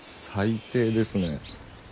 最低ですね。